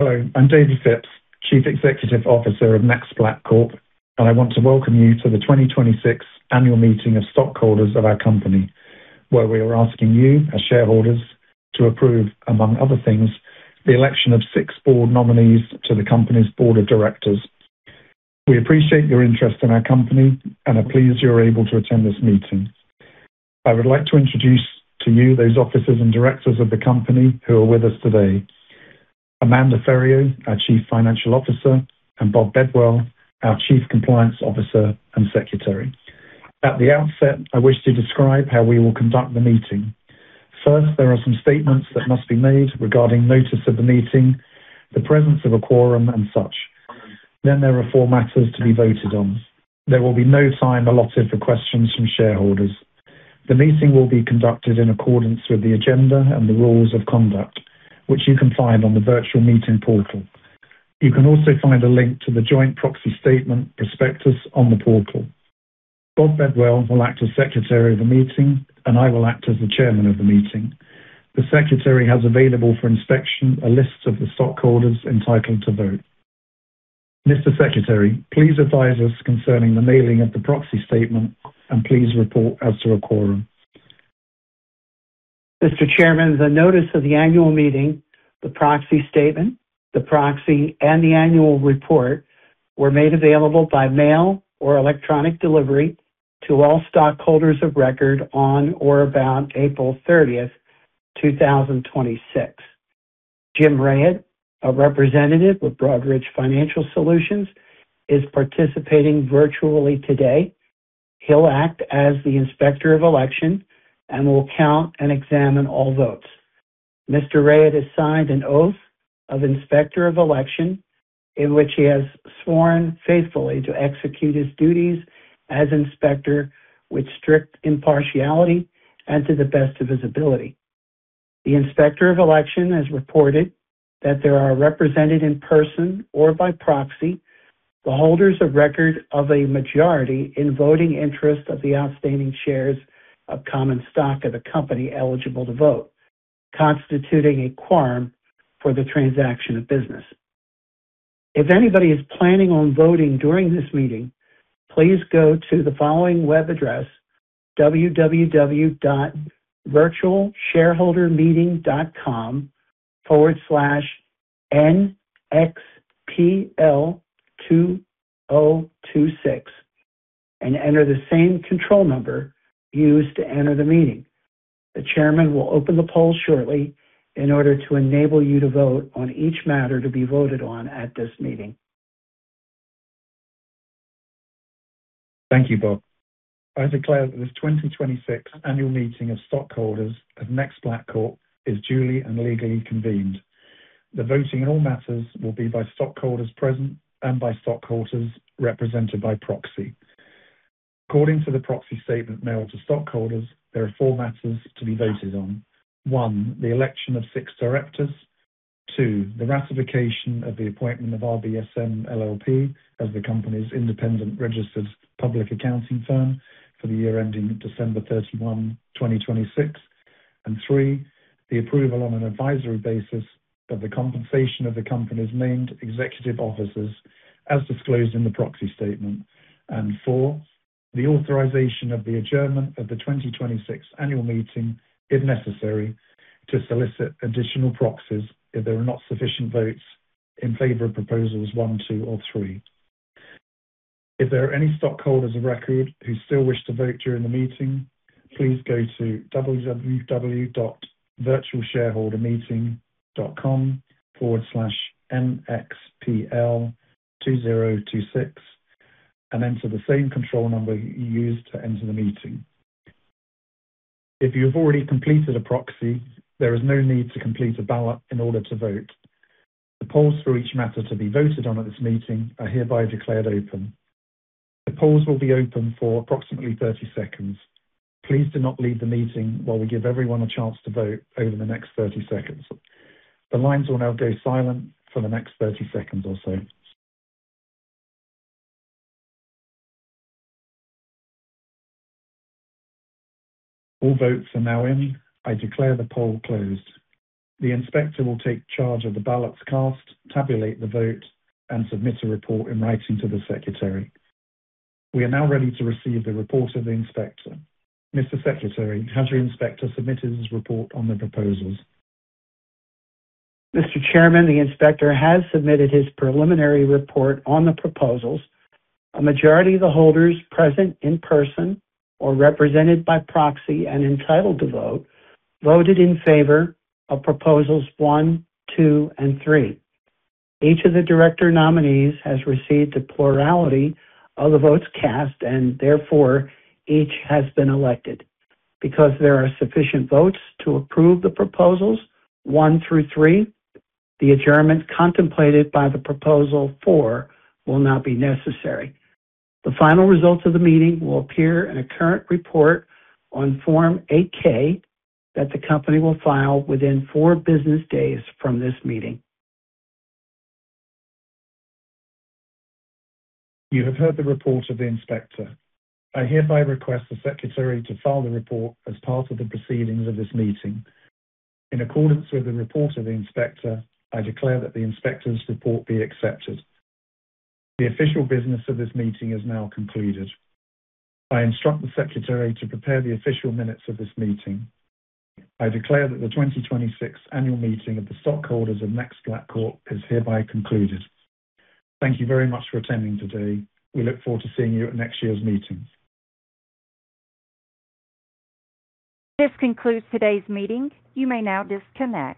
Hello, I'm David Phipps, Chief Executive Officer of NextPlat Corp, and I want to welcome you to the 2026 annual meeting of stockholders of our company, where we are asking you, as shareholders, to approve, among other things, the election of six board nominees to the company's board of directors. We appreciate your interest in our company and are pleased you are able to attend this meeting. I would like to introduce to you those officers and directors of the company who are with us today. Amanda Ferrio, our Chief Financial Officer, and Robert Bedwell, our Chief Compliance Officer and Secretary. At the outset, I wish to describe how we will conduct the meeting. First, there are some statements that must be made regarding notice of the meeting, the presence of a quorum, and such. There are four matters to be voted on. There will be no time allotted for questions from shareholders. The meeting will be conducted in accordance with the agenda and the rules of conduct, which you can find on the virtual meeting portal. You can also find a link to the joint proxy statement prospectus on the portal. Robert Bedwell will act as Secretary of the meeting, and I will act as the Chairman of the meeting. The Secretary has available for inspection a list of the stockholders entitled to vote. Mr. Secretary, please advise us concerning the mailing of the proxy statement, and please report as to a quorum. Mr. Chairman, the notice of the annual meeting, the proxy statement, the proxy, and the annual report were made available by mail or electronic delivery to all stockholders of record on or about April 30th, 2026. Jim Rayat, a representative with Broadridge Financial Solutions, is participating virtually today. He'll act as the Inspector of Election and will count and examine all votes. Mr. Rayat has signed an oath of Inspector of Election, in which he has sworn faithfully to execute his duties as inspector with strict impartiality and to the best of his ability. The Inspector of Election has reported that there are represented in person or by proxy the holders of record of a majority in voting interest of the outstanding shares of common stock of the company eligible to vote, constituting a quorum for the transaction of business. If anybody is planning on voting during this meeting, please go to the following web address, www.virtualshareholdermeeting.com/NXPL2026 and enter the same control number used to enter the meeting. The chairman will open the poll shortly in order to enable you to vote on each matter to be voted on at this meeting. Thank you, Bob. I declare this 2026 annual meeting of stockholders of NextPlat Corp is duly and legally convened. The voting in all matters will be by stockholders present and by stockholders represented by proxy. According to the proxy statement mailed to stockholders, there are four matters to be voted on. One, the election of six directors. Two, the ratification of the appointment of RBSM LLP as the company's independent registered public accounting firm for the year ending December 31, 2026. Three, the approval on an advisory basis of the compensation of the company's named executive officers as disclosed in the proxy statement. Four, the authorization of the adjournment of the 2026 annual meeting, if necessary, to solicit additional proxies if there are not sufficient votes in favor of proposals one, two, or three. If there are any stockholders of record who still wish to vote during the meeting, please go to www.virtualshareholdermeeting.com/NXPL2026 and enter the same control number you used to enter the meeting. If you have already completed a proxy, there is no need to complete a ballot in order to vote. The polls for each matter to be voted on at this meeting are hereby declared open. The polls will be open for approximately 30 seconds. Please do not leave the meeting while we give everyone a chance to vote over the next 30 seconds. The lines will now go silent for the next 30 seconds or so. All votes are now in. I declare the poll closed. The Inspector will take charge of the ballots cast, tabulate the vote, and submit a report in writing to the secretary. We are now ready to receive the report of the Inspector. Mr. Secretary, has your Inspector submitted his report on the proposals? Mr. Chairman, the Inspector has submitted his preliminary report on the proposals. A majority of the holders present in person or represented by proxy and entitled to vote, voted in favor of proposals one, two, and three. Each of the director nominees has received a plurality of the votes cast, and therefore, each has been elected. Because there are sufficient votes to approve the proposals one through three, the adjournment contemplated by proposal four will not be necessary. The final results of the meeting will appear in a current report on Form 8-K that the company will file within four business days from this meeting. You have heard the report of the Inspector. I hereby request the Secretary to file the report as part of the proceedings of this meeting. In accordance with the report of the Inspector, I declare that the Inspector's report be accepted. The official business of this meeting is now concluded. I instruct the Secretary to prepare the official minutes of this meeting. I declare that the 2026 annual meeting of the stockholders of NextPlat Corp is hereby concluded. Thank you very much for attending today. We look forward to seeing you at next year's meeting. This concludes today's meeting. You may now disconnect.